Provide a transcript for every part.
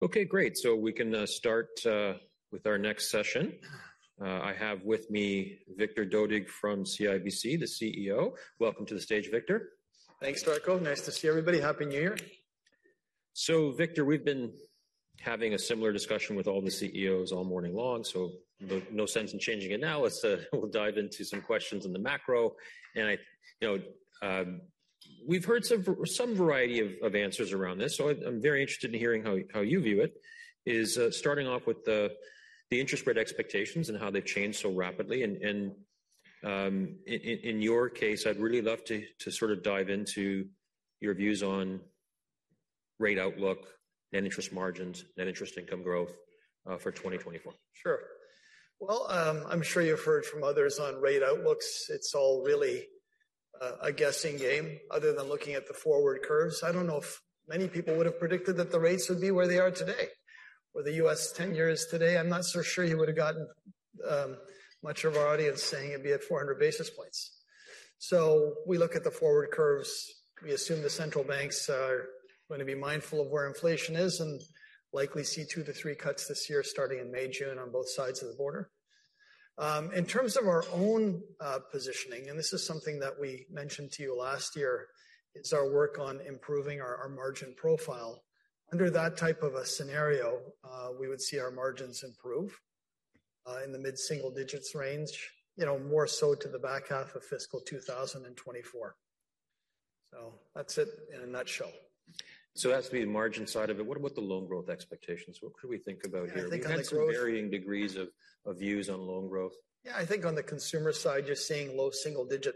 Okay, great. So we can start with our next session. I have with me Victor Dodig from CIBC, the CEO. Welcome to the stage, Victor. Thanks, Darko. Nice to see everybody. Happy New Year. So, Victor, we've been having a similar discussion with all the CEOs all morning long, so no sense in changing it now. Let's, we'll dive into some questions in the macro. And I, you know, we've heard some variety of answers around this, so I'm very interested in hearing how you view it, starting off with the interest rate expectations and how they've changed so rapidly. And, in your case, I'd really love to sort of dive into your views on rate outlook, net interest margins, net interest income growth for 2024. Sure. Well, I'm sure you've heard from others on rate outlooks. It's all really, a guessing game other than looking at the forward curves. I don't know if many people would have predicted that the rates would be where they are today, where the U.S. 10-year today, I'm not so sure you would have gotten, much of our audience saying it'd be at 400 basis points. So we look at the forward curves. We assume the central banks are going to be mindful of where inflation is and likely see 2-3 cuts this year, starting in May, June, on both sides of the border. In terms of our own, positioning, and this is something that we mentioned to you last year, it's our work on improving our, our margin profile. Under that type of a scenario, we would see our margins improve in the mid-single digits range, you know, more so to the back half of fiscal 2024. So that's it in a nutshell. So that's the margin side of it. What about the loan growth expectations? What should we think about here? I think on the growth- We've had some varying degrees of views on loan growth. Yeah, I think on the consumer side, you're seeing low single-digit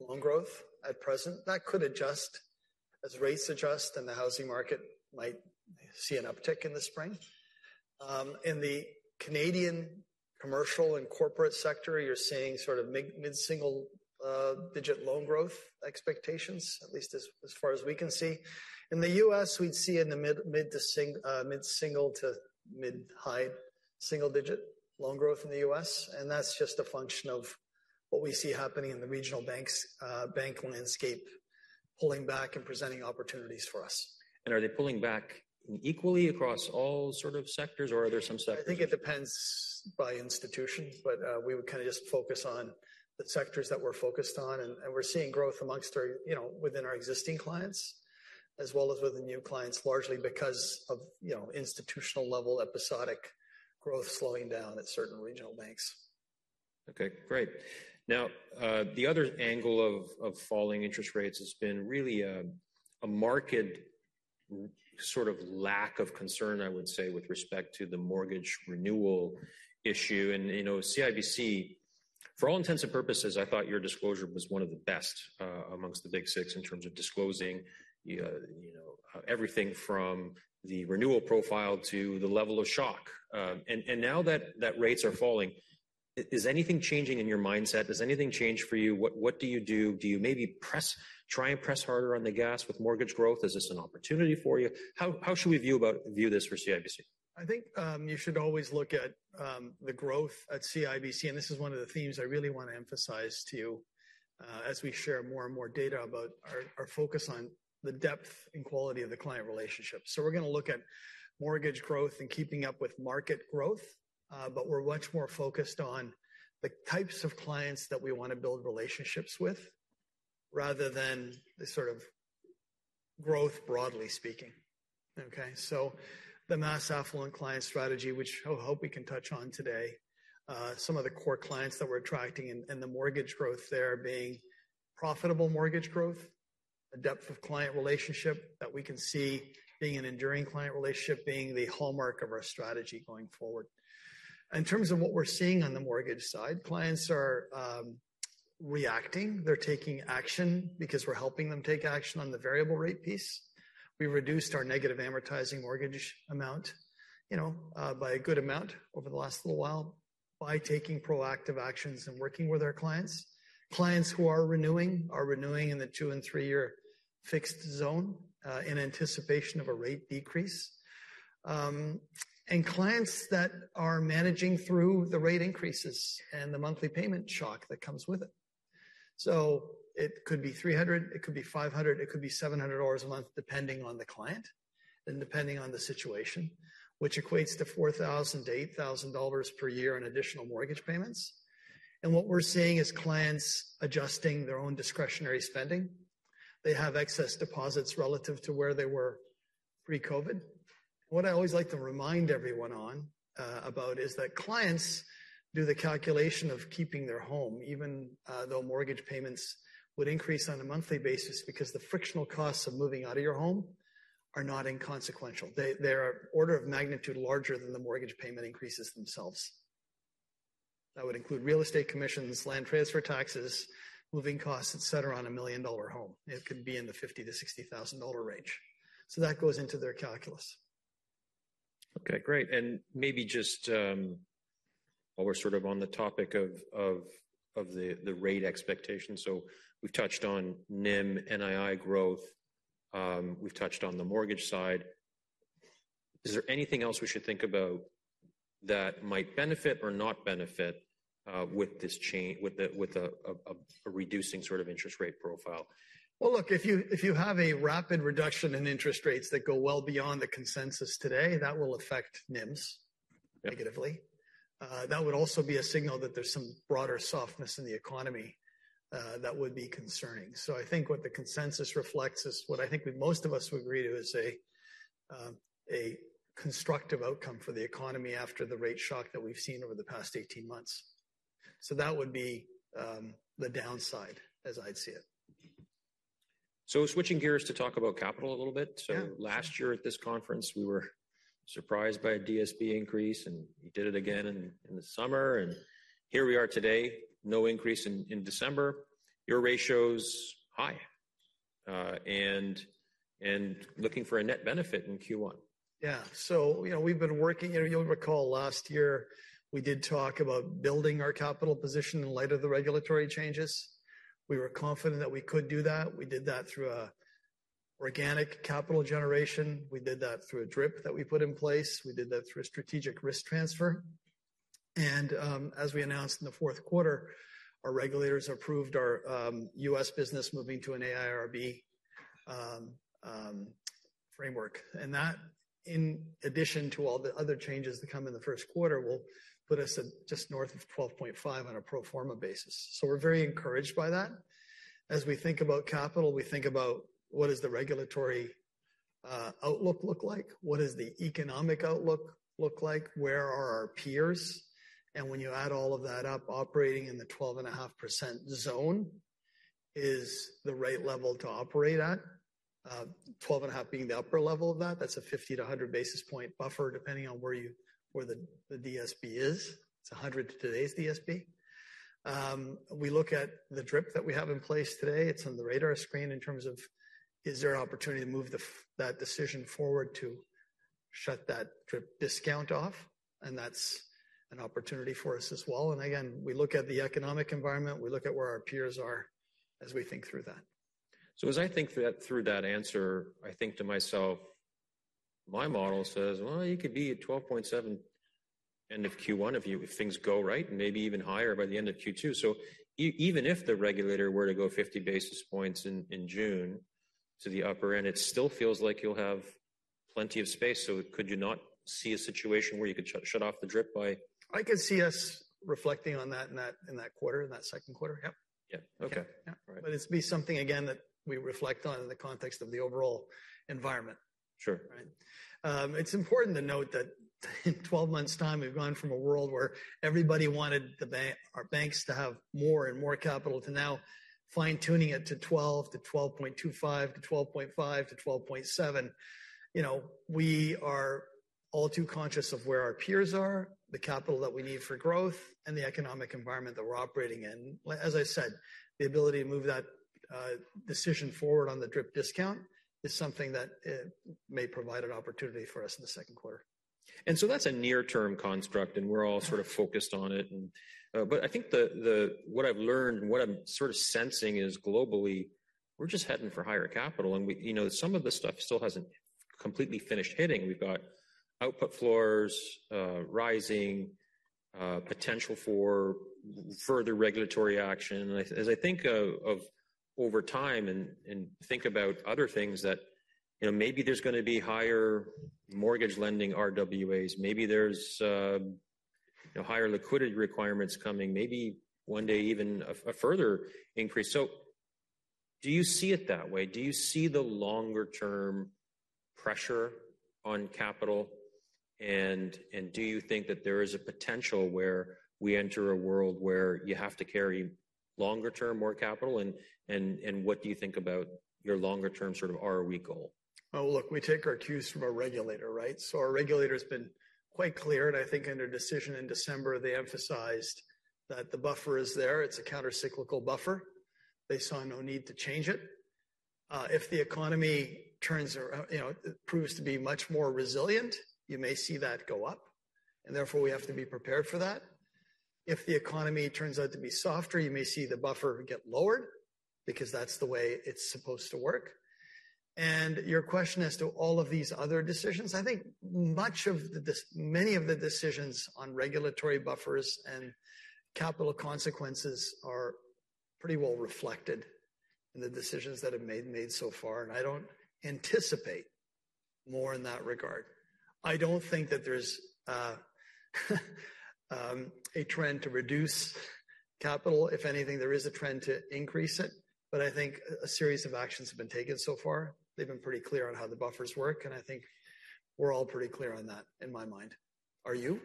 loan growth at present. That could adjust as rates adjust, and the housing market might see an uptick in the spring. In the Canadian commercial and corporate sector, you're seeing sort of mid-single digit loan growth expectations, at least as far as we can see. In the U.S., we'd see in the mid-single to mid-high single digit loan growth in the U.S., and that's just a function of what we see happening in the regional bank landscape, pulling back and presenting opportunities for us. Are they pulling back equally across all sort of sectors, or are there some sectors? I think it depends by institution, but we would kind of just focus on the sectors that we're focused on, and we're seeing growth among our, you know, within our existing clients, as well as with the new clients, largely because of, you know, institutional-level episodic growth slowing down at certain regional banks. Okay, great. Now, the other angle of falling interest rates has been really a market sort of lack of concern, I would say, with respect to the mortgage renewal issue. And, you know, CIBC, for all intents and purposes, I thought your disclosure was one of the best amongst the Big Six in terms of disclosing everything from the renewal profile to the level of shock. And now that rates are falling, is anything changing in your mindset? Does anything change for you? What do you do? Do you maybe press harder on the gas with mortgage growth? Is this an opportunity for you? How should we view this for CIBC? I think, you should always look at, the growth at CIBC, and this is one of the themes I really want to emphasize to you, as we share more and more data about our focus on the depth and quality of the client relationship. So we're gonna look at mortgage growth and keeping up with market growth, but we're much more focused on the types of clients that we want to build relationships with, rather than the sort of growth, broadly speaking. Okay, so the mass affluent client strategy, which I hope we can touch on today, some of the core clients that we're attracting and the mortgage growth there being profitable mortgage growth, a depth of client relationship that we can see being an enduring client relationship, being the hallmark of our strategy going forward. In terms of what we're seeing on the mortgage side, clients are reacting. They're taking action because we're helping them take action on the variable rate piece. We reduced our negative amortizing mortgage amount, you know, by a good amount over the last little while by taking proactive actions and working with our clients. Clients who are renewing are renewing in the two-and-three-year fixed zone in anticipation of a rate decrease, and clients that are managing through the rate increases and the monthly payment shock that comes with it. So it could be 300, it could be 500, it could be 700 dollars a month, depending on the client and depending on the situation, which equates to 4,000-8,000 dollars per year in additional mortgage payments. And what we're seeing is clients adjusting their own discretionary spending. They have excess deposits relative to where they were pre-COVID. What I always like to remind everyone on, about, is that clients do the calculation of keeping their home, even though mortgage payments would increase on a monthly basis, because the frictional costs of moving out of your home are not inconsequential. They are order of magnitude larger than the mortgage payment increases themselves. That would include real estate commissions, land transfer taxes, moving costs, et cetera, on a million-dollar home. It could be in the 50,000-60,000 dollar range. So that goes into their calculus. Okay, great. And maybe just while we're sort of on the topic of the rate expectations, so we've touched on NIM, NII growth, we've touched on the mortgage side. Is there anything else we should think about that might benefit or not benefit with a reducing sort of interest rate profile? Well, look, if you have a rapid reduction in interest rates that go well beyond the consensus today, that will affect NIMs Yeah - negatively. That would also be a signal that there's some broader softness in the economy, that would be concerning. So I think what the consensus reflects is, what I think what most of us would agree to is a, a constructive outcome for the economy after the rate shock that we've seen over the past 18 months. So that would be the downside, as I'd see it. Switching gears to talk about capital a little bit. Yeah. So last year at this conference, we were surprised by a DSB increase, and you did it again in the summer, and here we are today, no increase in December. Your ratio's high, and looking for a net benefit in Q1. Yeah. So, you know, we've been working... And you'll recall last year, we did talk about building our capital position in light of the regulatory changes. We were confident that we could do that. We did that through an organic capital generation. We did that through a DRIP that we put in place. We did that through a Strategic Risk Transfer. And, as we announced in the fourth quarter, our regulators approved our, U.S. business moving to an AIRB framework. And that, in addition to all the other changes that come in the first quarter, will put us at just north of 12.5 on a pro forma basis. So we're very encouraged by that. As we think about capital, we think about what is the regulatory, outlook look like? What does the economic outlook look like? Where are our peers? When you add all of that up, operating in the 12.5% zone is the right level to operate at. 12.5 being the upper level of that. That's a 50-100 basis point buffer, depending on where the DSB is. It's 100 to today's DSB. We look at the DRIP that we have in place today. It's on the radar screen in terms of, is there an opportunity to move that decision forward to shut that DRIP discount off? And that's an opportunity for us as well. And again, we look at the economic environment, we look at where our peers are as we think through that. So as I think that through that answer, I think to myself, my model says, "Well, you could be at 12.7 end of Q1 if things go right, and maybe even higher by the end of Q2." So even if the regulator were to go 50 basis points in June to the upper end, it still feels like you'll have plenty of space. So could you not see a situation where you could shut off the DRIP by- I could see us reflecting on that in that, in that quarter, in that second quarter. Yep. Yeah. Okay. Yeah. All right. But it'd be something, again, that we reflect on in the context of the overall environment. Sure. Right? It's important to note that in 12 months' time, we've gone from a world where everybody wanted our banks to have more and more capital, to now fine-tuning it to 12, to 12.25, to 12.5, to 12.7. You know, we are all too conscious of where our peers are, the capital that we need for growth, and the economic environment that we're operating in. Well, as I said, the ability to move that decision forward on the drip discount is something that may provide an opportunity for us in the second quarter. And so that's a near-term construct, and we're all sort of focused on it. But I think what I've learned, what I'm sort of sensing is globally, we're just heading for higher capital. And we, you know, some of the stuff still hasn't completely finished hitting. We've got output floors rising, potential for further regulatory action. And I, as I think of over time and think about other things that, you know, maybe there's gonna be higher mortgage lending RWAs, maybe there's higher liquidity requirements coming, maybe one day even a further increase. So do you see it that way? Do you see the longer term pressure on capital? And do you think that there is a potential where we enter a world where you have to carry longer term, more capital? What do you think about your longer term sort of ROE goal? Oh, look, we take our cues from our regulator, right? So our regulator's been quite clear, and I think in their decision in December, they emphasized that the buffer is there. It's a countercyclical buffer. They saw no need to change it. If the economy turns around, you know, proves to be much more resilient, you may see that go up, and therefore, we have to be prepared for that. If the economy turns out to be softer, you may see the buffer get lowered, because that's the way it's supposed to work. And your question as to all of these other decisions, I think many of the decisions on regulatory buffers and capital consequences are pretty well reflected in the decisions that have been made so far, and I don't anticipate more in that regard. I don't think that there's a trend to reduce capital. If anything, there is a trend to increase it, but I think a series of actions have been taken so far. They've been pretty clear on how the buffers work, and I think we're all pretty clear on that, in my mind. Are you?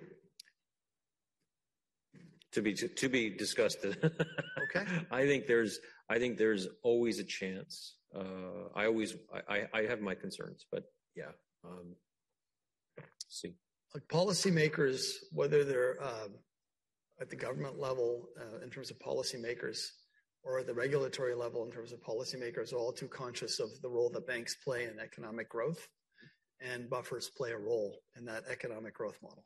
To be discussed. Okay. I think there's always a chance. I always have my concerns, but yeah, let's see. Like policymakers, whether they're, at the government level, in terms of policymakers or at the regulatory level, in terms of policymakers, are all too conscious of the role that banks play in economic growth, and buffers play a role in that economic growth model.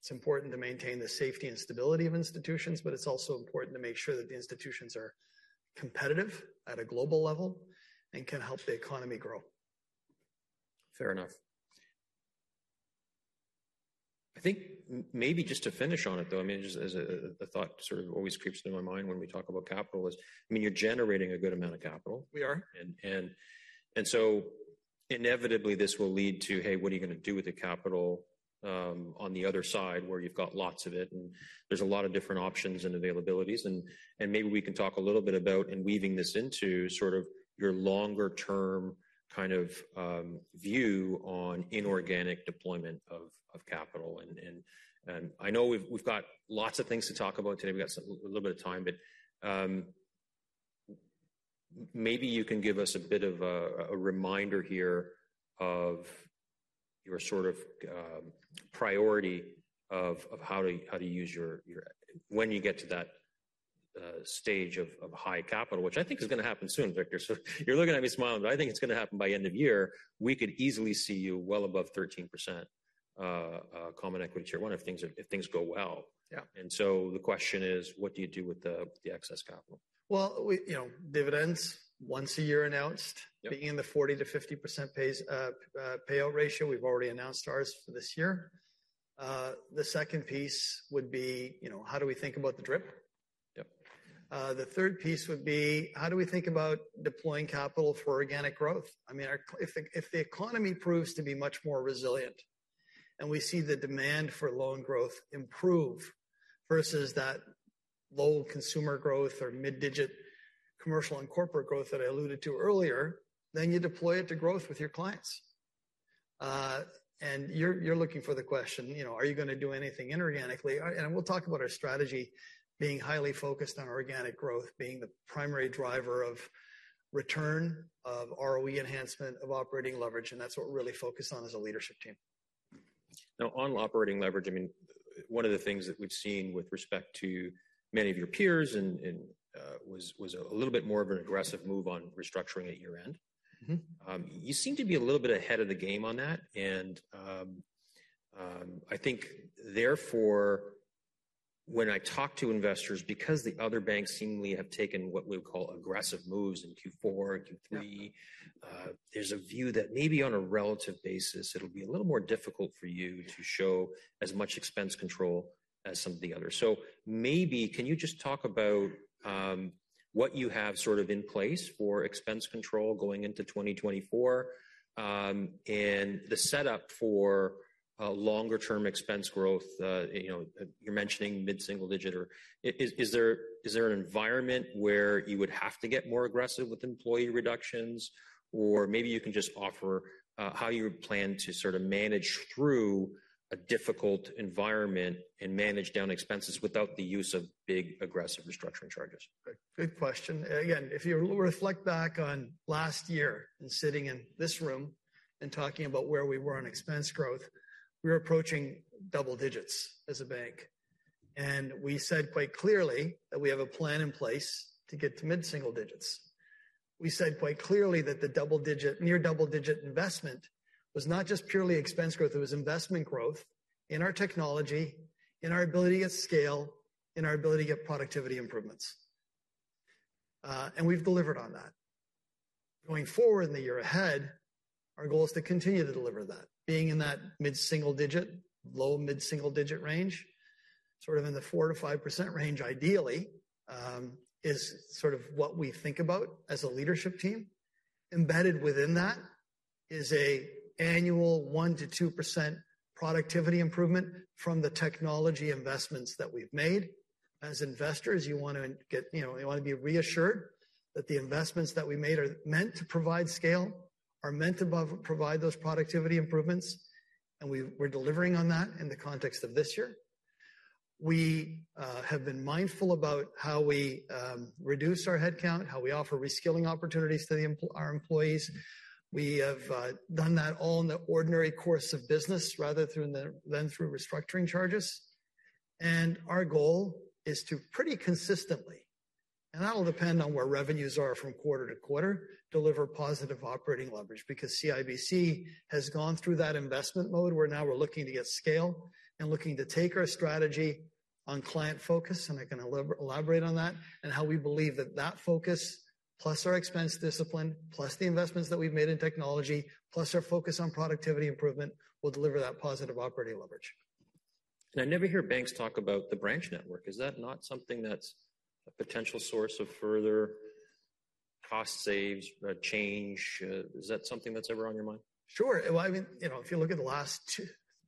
It's important to maintain the safety and stability of institutions, but it's also important to make sure that the institutions are competitive at a global level and can help the economy grow. Fair enough. I think maybe just to finish on it, though, I mean, just as a thought sort of always creeps into my mind when we talk about capital is, I mean, you're generating a good amount of capital. We are. And so inevitably this will lead to, "Hey, what are you gonna do with the capital on the other side, where you've got lots of it?" And there's a lot of different options and availabilities, and maybe we can talk a little bit about weaving this into sort of your longer term kind of view on inorganic deployment of capital. And I know we've got lots of things to talk about today. We've got some - a little bit of time, but maybe you can give us a bit of a reminder here of your sort of priority of how to use your... When you get to that stage of high capital, which I think is gonna happen soon, Victor. You're looking at me smiling, but I think it's gonna happen by end of year. We could easily see you well above 13%, Common Equity Tier 1 if things go well. Yeah. The question is: What do you do with the excess capital? Well, we, you know, dividends, once a year announced- Yep. Be in the 40%-50% payout ratio. We've already announced ours for this year. The second piece would be, you know, how do we think about the DRIP? Yep. The third piece would be: How do we think about deploying capital for organic growth? I mean, if the economy proves to be much more resilient, and we see the demand for loan growth improve versus that low consumer growth or mid-digit commercial and corporate growth that I alluded to earlier, then you deploy it to growth with your clients. And you're looking for the question, you know, are you gonna do anything inorganically? And we'll talk about our strategy being highly focused on organic growth, being the primary driver of return, of ROE enhancement, of operating leverage, and that's what we're really focused on as a leadership team. Now, on operating leverage, I mean, one of the things that we've seen with respect to many of your peers and was a little bit more of an aggressive move on restructuring at year-end. Mm-hmm. you seem to be a little bit ahead of the game on that, and, I think therefore, when I talk to investors, because the other banks seemingly have taken what we would call aggressive moves in Q4 and Q3- Yeah. There's a view that maybe on a relative basis, it'll be a little more difficult for you to show as much expense control as some of the others. So maybe, can you just talk about what you have sort of in place for expense control going into 2024, and the setup for a longer-term expense growth? You know, you're mentioning mid-single digit. Is there an environment where you would have to get more aggressive with employee reductions? Or maybe you can just offer how you plan to sort of manage through a difficult environment and manage down expenses without the use of big, aggressive restructuring charges? Great. Good question. Again, if you reflect back on last year and sitting in this room and talking about where we were on expense growth, we were approaching double digits as a bank. And we said quite clearly that we have a plan in place to get to mid-single digits. We said quite clearly that the double digit, near double-digit investment was not just purely expense growth, it was investment growth in our technology, in our ability to scale, in our ability to get productivity improvements. And we've delivered on that. Going forward in the year ahead, our goal is to continue to deliver that. Being in that mid-single digit, low mid-single digit range, sort of in the 4%-5% range, ideally, is sort of what we think about as a leadership team. Embedded within that is an annual 1%-2% productivity improvement from the technology investments that we've made. As investors, you want to get, you know, you want to be reassured that the investments that we made are meant to provide scale, are meant to provide those productivity improvements, and we're delivering on that in the context of this year. We have been mindful about how we reduce our headcount, how we offer reskilling opportunities to our employees. We have done that all in the ordinary course of business rather than through restructuring charges. Our goal is to pretty consistently, and that'll depend on where revenues are from quarter to quarter, deliver positive operating leverage, because CIBC has gone through that investment mode, where now we're looking to get scale and looking to take our strategy on client focus, and I'm gonna elaborate on that, and how we believe that that focus, plus our expense discipline, plus the investments that we've made in technology, plus our focus on productivity improvement, will deliver that positive operating leverage. I never hear banks talk about the branch network. Is that not something that's a potential source of further cost saves or change? Is that something that's ever on your mind? Sure. Well, I mean, you know, if you look at the last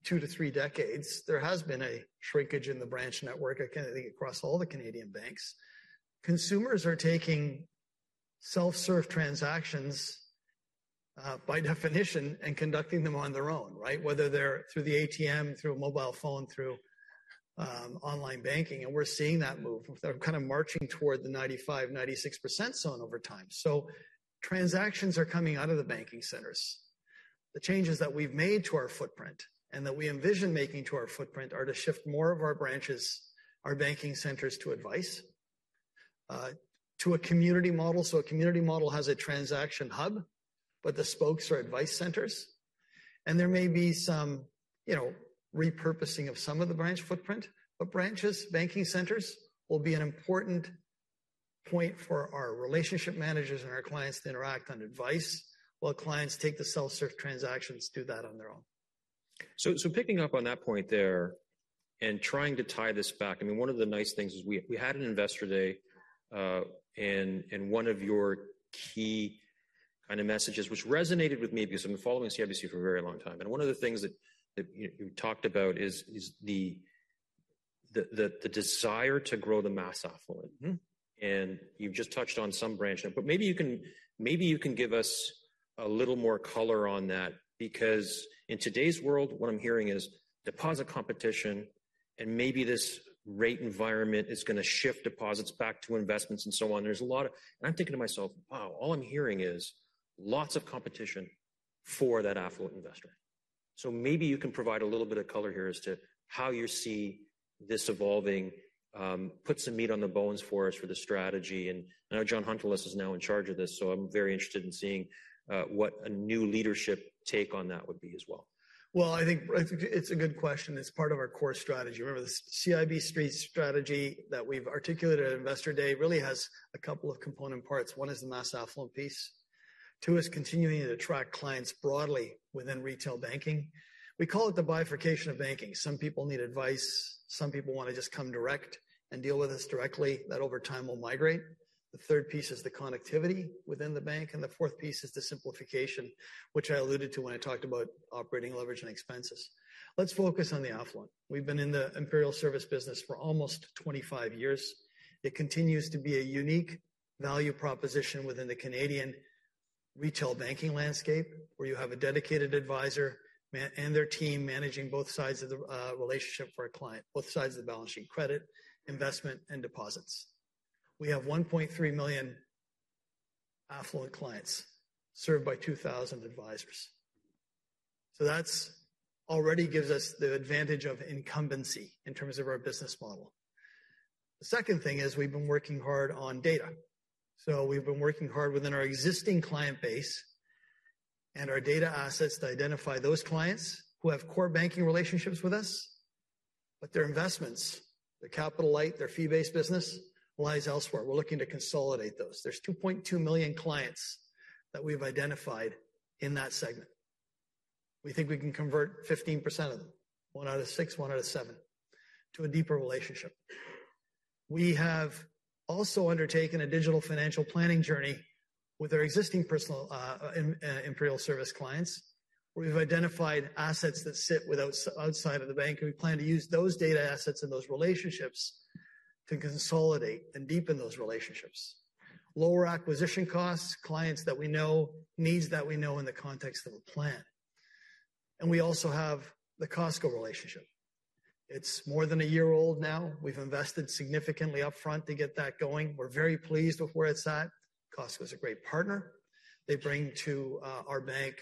two to three decades, there has been a shrinkage in the branch network, I think, across all the Canadian banks. Consumers are taking self-serve transactions, by definition, and conducting them on their own, right? Whether they're through the ATM, through a mobile phone, through online banking, and we're seeing that move. They're kind of marching toward the 95%-96% zone over time. So transactions are coming out of the banking centers. The changes that we've made to our footprint and that we envision making to our footprint, are to shift more of our branches, our banking centers to advice to a community model. So a community model has a transaction hub, but the spokes are advice centers, and there may be some, you know, repurposing of some of the branch footprint. But branches, banking centers, will be an important point for our relationship managers and our clients to interact on advice, while clients take the self-serve transactions, to do that on their own. So, picking up on that point there and trying to tie this back, I mean, one of the nice things is we had an Investor Day, and one of your key kind of messages, which resonated with me because I've been following CIBC for a very long time, and one of the things that you talked about is the desire to grow the mass affluent. Mm-hmm? And you've just touched on some branch, but maybe you can give us a little more color on that, because in today's world, what I'm hearing is deposit competition, and maybe this rate environment is going to shift deposits back to investments and so on. I'm thinking to myself, "Wow, all I'm hearing is lots of competition for that affluent investor." So maybe you can provide a little bit of color here as to how you see this evolving, put some meat on the bones for us for the strategy. And I know Jon Hountalas is now in charge of this, so I'm very interested in seeing what a new leadership take on that would be as well. Well, I think, I think it's a good question, it's part of our core strategy. Remember, the CIBC strategy that we've articulated at Investor Day really has a couple of component parts. One is the mass affluent piece, two is continuing to attract clients broadly within retail banking. We call it the bifurcation of banking. Some people need advice, some people want to just come direct and deal with us directly. That over time, will migrate. The third piece is the connectivity within the bank, and the fourth piece is the simplification, which I alluded to when I talked about operating leverage and expenses. Let's focus on the affluent. We've been in the Imperial Service business for almost 25 years. It continues to be a unique value proposition within the Canadian retail banking landscape, where you have a dedicated advisor and their team managing both sides of the relationship for a client, both sides of the balance sheet: credit, investment, and deposits. We have 1.3 million affluent clients served by 2,000 advisors. So that's already gives us the advantage of incumbency in terms of our business model. The second thing is we've been working hard on data. So we've been working hard within our existing client base and our data assets to identify those clients who have core banking relationships with us, but their investments, their capital light, their fee-based business lies elsewhere. We're looking to consolidate those. There's 2.2 million clients that we've identified in that segment. We think we can convert 15% of them, 1 out of 6, 1 out of 7, to a deeper relationship. We have also undertaken a digital financial planning journey with our existing personal Imperial Service clients, where we've identified assets that sit outside of the bank, and we plan to use those data assets and those relationships to consolidate and deepen those relationships. Lower acquisition costs, clients that we know, needs that we know in the context of a plan. And we also have the Costco relationship. It's more than a year old now. We've invested significantly upfront to get that going. We're very pleased with where it's at. Costco is a great partner. They bring to our bank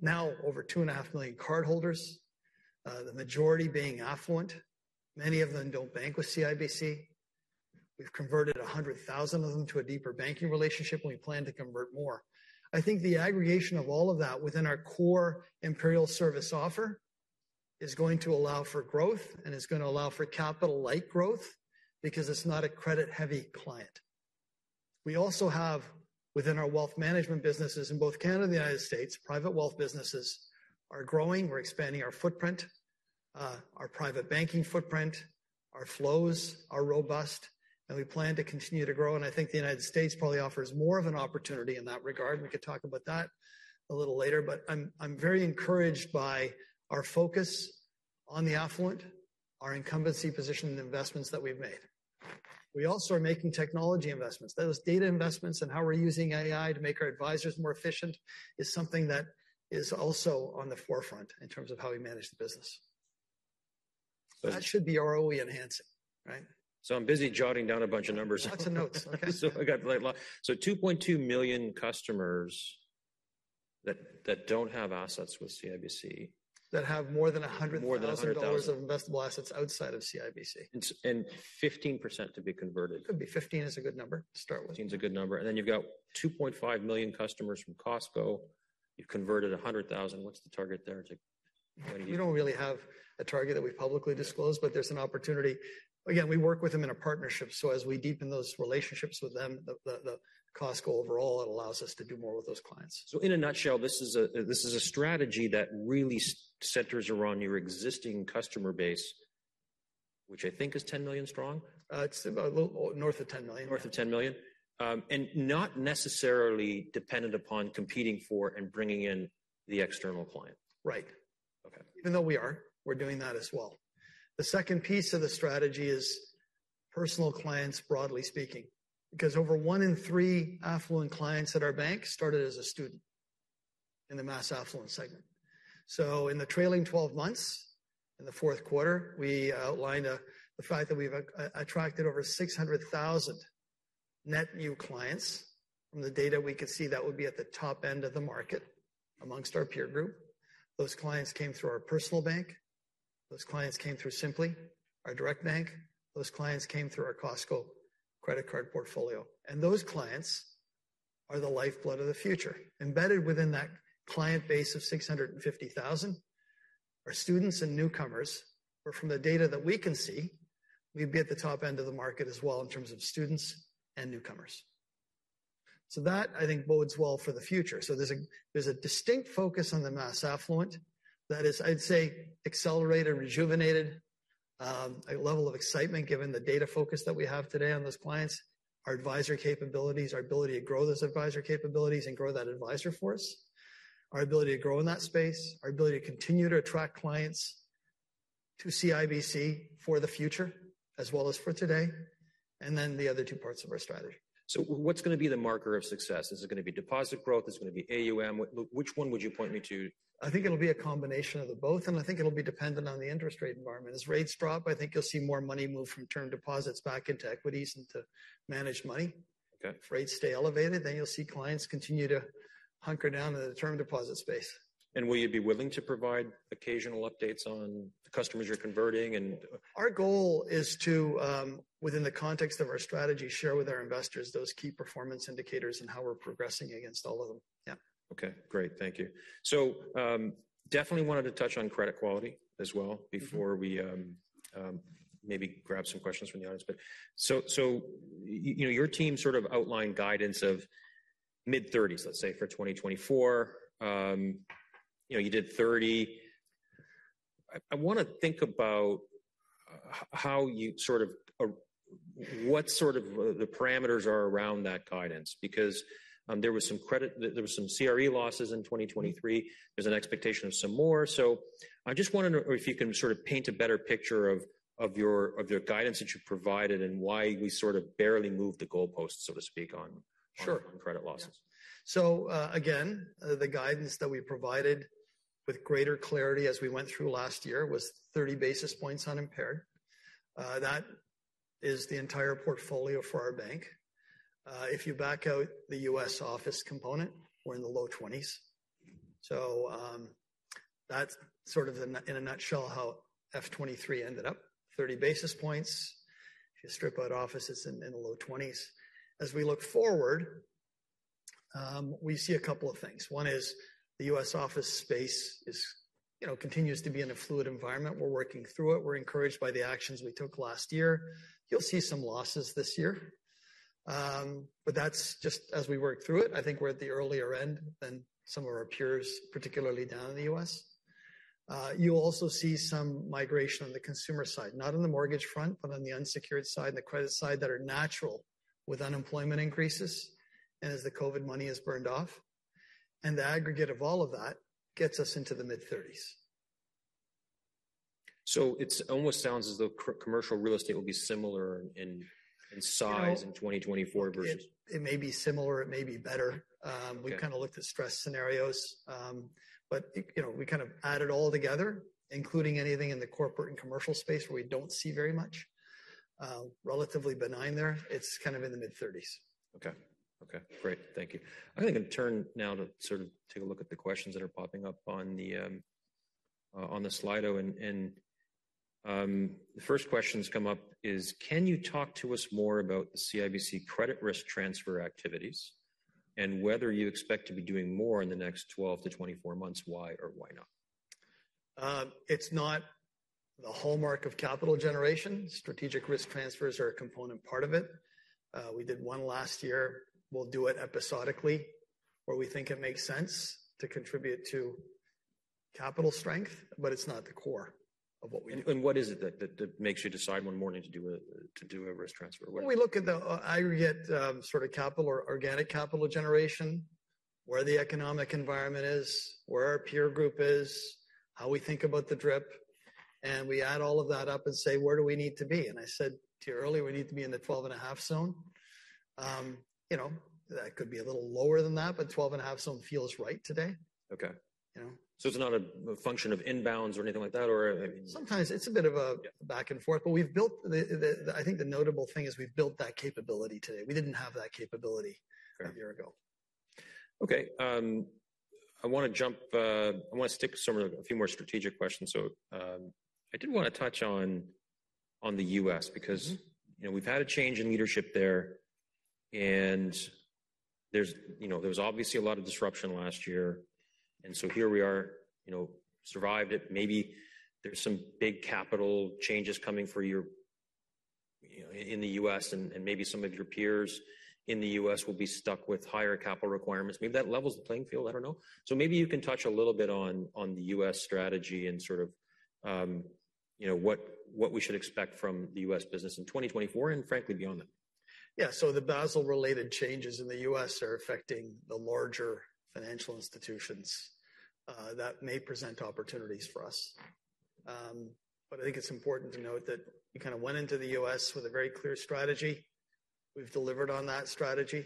now over 2.5 million cardholders, the majority being affluent. Many of them don't bank with CIBC. We've converted 100,000 of them to a deeper banking relationship, and we plan to convert more. I think the aggregation of all of that within our core Imperial Service offer is going to allow for growth, and it's going to allow for capital-light growth because it's not a credit-heavy client. We also have, within our wealth management businesses in both Canada and the United States, private wealth businesses are growing. We're expanding our footprint, our private banking footprint. Our flows are robust, and we plan to continue to grow, and I think the United States probably offers more of an opportunity in that regard. We could talk about that a little later, but I'm very encouraged by our focus on the affluent, our incumbency position, and the investments that we've made. We also are making technology investments. Those data investments and how we're using AI to make our advisors more efficient is something that is also on the forefront in terms of how we manage the business. That should be ROE enhancing, right? I'm busy jotting down a bunch of numbers. Lots of notes. Okay. So 2.2 million customers that don't have assets with CIBC. That have more than 100,000- More than 100,000- dollars of investable assets outside of CIBC. And 15% to be converted. Could be. 15 is a good number to start with. 15 is a good number. And then you've got 2.5 million customers from Costco. You've converted 100,000. What's the target there to- We don't really have a target that we've publicly disclosed, but there's an opportunity. Again, we work with them in a partnership, so as we deepen those relationships with them, the Costco overall, it allows us to do more with those clients. So in a nutshell, this is a, this is a strategy that really centers around your existing customer base, which I think is 10 million strong? It's about a little north of 10 million. North of 10 million. Not necessarily dependent upon competing for and bringing in the external client. Right. Okay. Even though we are, we're doing that as well. The second piece of the strategy is personal clients, broadly speaking, because over one in three affluent clients at our bank started as a student in the mass affluent segment. So in the trailing twelve months, in the fourth quarter, we outlined the fact that we've attracted over 600,000 net new clients. From the data, we could see that would be at the top end of the market amongst our peer group. Those clients came through Simplii, our direct bank. Those clients came through our Costco credit card portfolio, and those clients are the lifeblood of the future. Embedded within that client base of 650,000 are students and newcomers, where from the data that we can see, we'd be at the top end of the market as well in terms of students and newcomers. So that, I think, bodes well for the future. So there's a, there's a distinct focus on the mass affluent that is, I'd say, accelerated, rejuvenated, a level of excitement given the data focus that we have today on those clients, our advisor capabilities, our ability to grow those advisor capabilities and grow that advisor force, our ability to grow in that space, our ability to continue to attract clients to CIBC for the future as well as for today, and then the other two parts of our strategy. So what's going to be the marker of success? Is it going to be deposit growth? Is it going to be AUM? Which one would you point me to? I think it'll be a combination of the both, and I think it'll be dependent on the interest rate environment. As rates drop, I think you'll see more money move from term deposits back into equities and to managed money. Okay. If rates stay elevated, then you'll see clients continue to hunker down in the term deposit space. Will you be willing to provide occasional updates on the customers you're converting, and- Our goal is to, within the context of our strategy, share with our investors those key performance indicators and how we're progressing against all of them. Yeah. Okay, great. Thank you. So, definitely wanted to touch on credit quality as well- Mm-hmm. Before we maybe grab some questions from the audience. But so, you know, your team sort of outlined guidance of mid-thirties, let's say, for 2024. You know, you did 30. I want to think about how you sort of... What sort of the parameters are around that guidance, because there was some credit—there, there was some CRE losses in 2023. Mm-hmm. There's an expectation of some more. So I just want to know if you can sort of paint a better picture of, of your, of your guidance that you provided and why we sort of barely moved the goalpost, so to speak, on- Sure. on credit losses. So, again, the guidance that we provided with greater clarity as we went through last year was 30 basis points on impaired. That is the entire portfolio for our bank. If you back out the U.S. office component, we're in the low 20s. That's sort of in a nutshell, how FY 2023 ended up, 30 basis points. If you strip out offices, in the low 20s. As we look forward, we see a couple of things. One is the U.S. office space, you know, continues to be in a fluid environment. We're working through it. We're encouraged by the actions we took last year. You'll see some losses this year, but that's just as we work through it. I think we're at the earlier end than some of our peers, particularly down in the U.S. You'll also see some migration on the consumer side, not on the mortgage front, but on the unsecured side and the credit side that are natural with unemployment increases and as the COVID money is burned off. And the aggregate of all of that gets us into the mid-30s. So it almost sounds as though commercial real estate will be similar in size- You know- -in 2024 versus- It may be similar, it may be better. Okay. We kind of looked at stress scenarios, but, you know, we kind of add it all together, including anything in the corporate and commercial space where we don't see very much. Relatively benign there. It's kind of in the mid-thirties. Okay. Okay, great. Thank you. I'm going to turn now to sort of take a look at the questions that are popping up on the Slido. The first question that comes up is: Can you talk to us more about the CIBC credit risk transfer activities, and whether you expect to be doing more in the next 12-24 months? Why or why not? It's not the hallmark of capital generation. Strategic risk transfers are a component part of it. We did one last year. We'll do it episodically, where we think it makes sense to contribute to capital strength, but it's not the core of what we do. What is it that makes you decide one morning to do a risk transfer? What- We look at the aggregate, sort of, capital or organic capital generation, where the economic environment is, where our peer group is, how we think about the DRIP, and we add all of that up and say: Where do we need to be? And I said to you earlier, we need to be in the 12.5 zone. You know, that could be a little lower than that, but 12.5 zone feels right today. Okay. You know? So it's not a function of inbounds or anything like that, or maybe? Sometimes it's a bit of a- Yeah... back and forth, but we've built... I think the notable thing is we've built that capability today. We didn't have that capability... Okay a year ago. Okay, I want to stick with some of a few more strategic questions. So, I did want to touch on the U.S., because- Mm-hmm You know, we've had a change in leadership there, and there's, you know, there was obviously a lot of disruption last year, and so here we are, you know, survived it. Maybe there's some big capital changes coming for your, you know, in the U.S., and maybe some of your peers in the U.S. will be stuck with higher capital requirements. Maybe that levels the playing field, I don't know. So maybe you can touch a little bit on the U.S. strategy and sort of, you know, what we should expect from the U.S. business in 2024 and frankly, beyond that. Yeah. So the Basel-related changes in the U.S. are affecting the larger financial institutions that may present opportunities for us. But I think it's important to note that we kind of went into the U.S. with a very clear strategy. We've delivered on that strategy.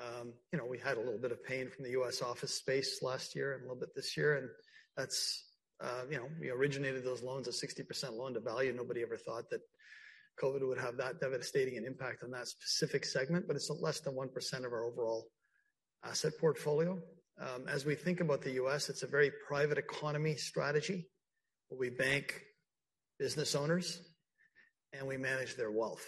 You know, we had a little bit of pain from the U.S. office space last year and a little bit this year, and that's, you know, we originated those loans at 60% loan-to-value. Nobody ever thought that COVID would have that devastating an impact on that specific segment, but it's less than 1% of our overall asset portfolio. As we think about the U.S., it's a very private economy strategy, where we bank business owners and we manage their wealth.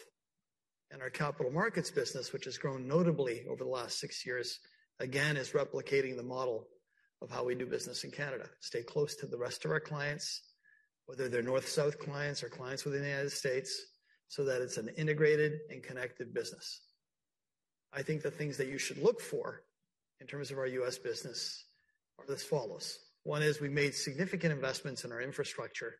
Our capital markets business, which has grown notably over the last six years, again, is replicating the model of how we do business in Canada. Stay close to the rest of our clients, whether they're north-south clients or clients within the United States, so that it's an integrated and connected business. I think the things that you should look for in terms of our U.S. business are as follows: One is we made significant investments in our infrastructure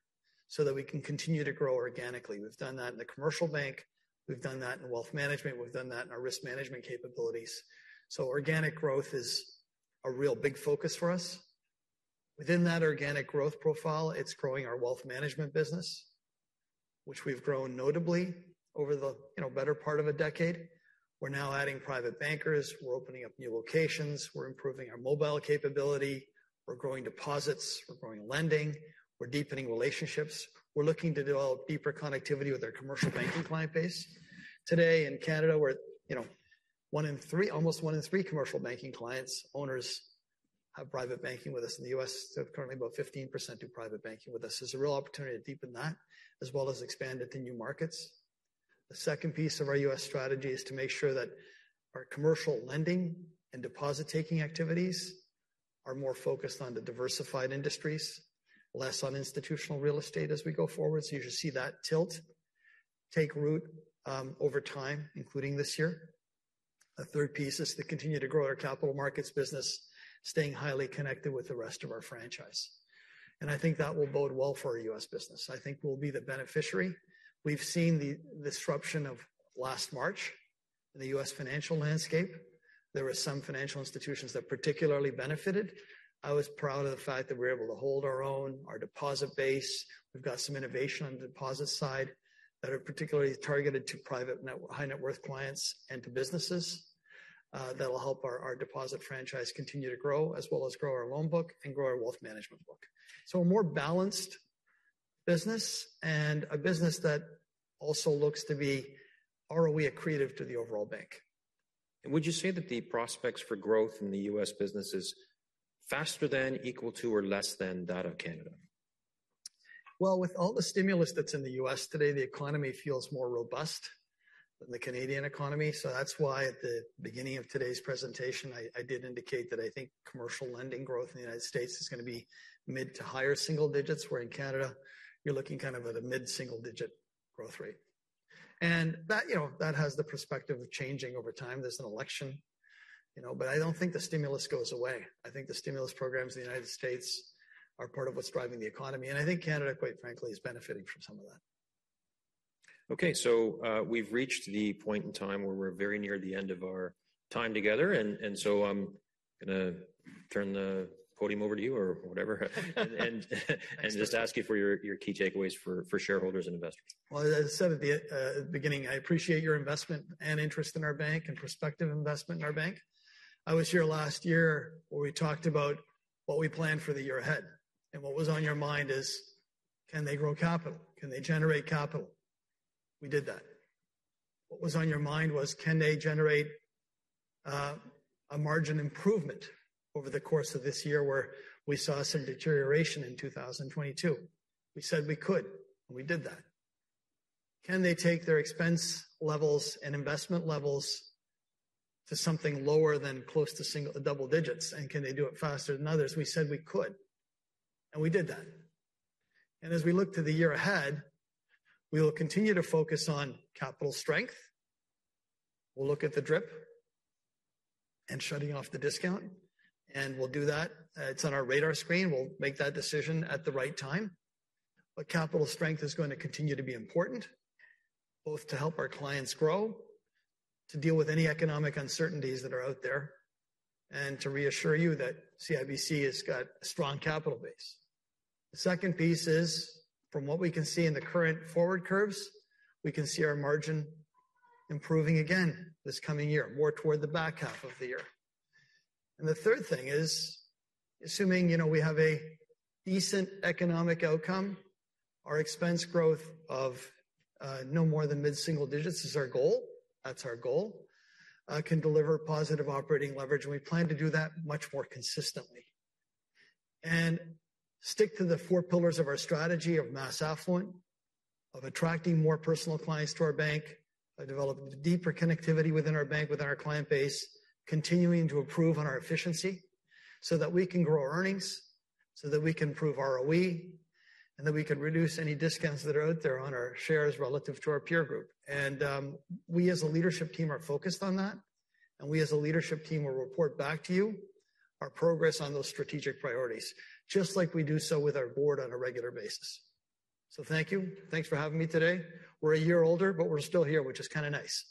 so that we can continue to grow organically. We've done that in the commercial bank, we've done that in wealth management, we've done that in our risk management capabilities. So organic growth is a real big focus for us. Within that organic growth profile, it's growing our wealth management business, which we've grown notably over the, you know, better part of a decade. We're now adding private bankers. We're opening up new locations. We're improving our mobile capability. We're growing deposits. We're growing lending. We're deepening relationships. We're looking to develop deeper connectivity with our commercial banking client base. Today in Canada, we're, you know, one in three—almost one in three commercial banking clients, owners, have private banking with us. In the U.S., so currently, about 15% do private banking with us. There's a real opportunity to deepen that as well as expand it to new markets. The second piece of our U.S. strategy is to make sure that our commercial lending and deposit-taking activities are more focused on the diversified industries, less on institutional real estate as we go forward. So you should see that tilt take root over time, including this year. A third piece is to continue to grow our capital markets business, staying highly connected with the rest of our franchise, and I think that will bode well for our U.S. business. I think we'll be the beneficiary. We've seen the disruption of last March in the U.S. financial landscape. There were some financial institutions that particularly benefited. I was proud of the fact that we were able to hold our own, our deposit base. We've got some innovation on the deposit side that are particularly targeted to private high net worth clients and to businesses, that will help our deposit franchise continue to grow, as well as grow our loan book and grow our wealth management book. So a more balanced business and a business that also looks to be ROE accretive to the overall bank. Would you say that the prospects for growth in the U.S. business is faster than, equal to, or less than that of Canada? Well, with all the stimulus that's in the U.S. today, the economy feels more robust than the Canadian economy. So that's why at the beginning of today's presentation, I, I did indicate that I think commercial lending growth in the United States is gonna be mid to higher single digits, where in Canada you're looking kind of at a mid-single-digit growth rate. And that, you know, that has the perspective of changing over time. There's an election, you know, but I don't think the stimulus goes away. I think the stimulus programs in the United States are part of what's driving the economy, and I think Canada, quite frankly, is benefiting from some of that. Okay, so, we've reached the point in time where we're very near the end of our time together, and so I'm gonna turn the podium over to you or whatever, and just ask you for your key takeaways for shareholders and investors. Well, as I said at the beginning, I appreciate your investment and interest in our bank and prospective investment in our bank. I was here last year where we talked about what we planned for the year ahead, and what was on your mind is: Can they grow capital? Can they generate capital? We did that. What was on your mind was: Can they generate a margin improvement over the course of this year, where we saw some deterioration in 2022? We said we could, and we did that. Can they take their expense levels and investment levels to something lower than close to single to double digits, and can they do it faster than others? We said we could, and we did that. As we look to the year ahead, we will continue to focus on capital strength. We'll look at the DRIP and shutting off the discount, and we'll do that. It's on our radar screen. We'll make that decision at the right time. But capital strength is going to continue to be important, both to help our clients grow, to deal with any economic uncertainties that are out there, and to reassure you that CIBC has got a strong capital base. The second piece is, from what we can see in the current forward curves, we can see our margin improving again this coming year, more toward the back half of the year. And the third thing is, assuming, you know, we have a decent economic outcome, our expense growth of no more than mid-single digits is our goal. That's our goal. Can deliver positive operating leverage, and we plan to do that much more consistently. And stick to the four pillars of our strategy of mass affluent, of attracting more personal clients to our bank, developing deeper connectivity within our bank, within our client base, continuing to improve on our efficiency so that we can grow earnings, so that we can improve ROE, and that we can reduce any discounts that are out there on our shares relative to our peer group. And, we as a leadership team are focused on that, and we as a leadership team will report back to you our progress on those strategic priorities, just like we do so with our board on a regular basis. So thank you. Thanks for having me today. We're a year older, but we're still here, which is kind of nice.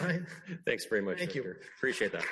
Right? Thanks very much. Thank you. Appreciate that.